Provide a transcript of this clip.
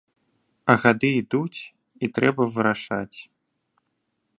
А гады ідуць, і трэба вырашаць.